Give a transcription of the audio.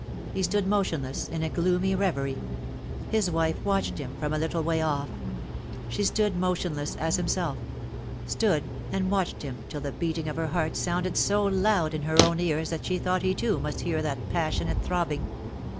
He stood motionless, in a gloomy reverie. His wife watched him from a little way off ; she stood motionless as himself stood and watched him till the beating of her heart sounded so loud in her own ears that she thought he too must hear that passionate throbbing.